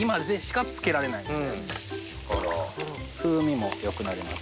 風味も良くなります。